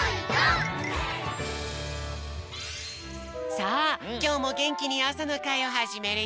さあきょうもげんきにあさのかいをはじめるよ！